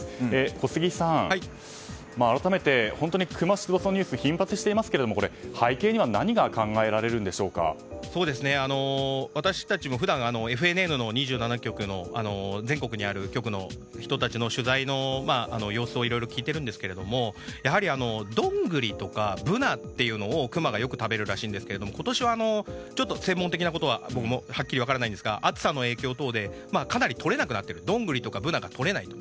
小杉さん、改めてクマ出没のニュースが頻発していますが、背景には私たちも普段ＦＮＮの２７局の全国にある局の人たちの取材の様子をいろいろ聞いているんですけどやはりドングリとかブナというのをクマがよく食べるらしいんですが専門的なことは僕もはっきり分からないんですが暑さの影響でドングリとかブナがとれないと。